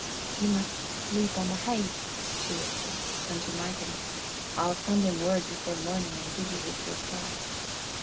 "You must sleep on the hay," she whispered; and to Martin, "I'll send him word before morning and give you his reply."